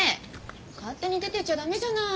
勝手に出てっちゃ駄目じゃない。